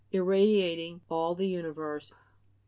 Irradiating all the universe...."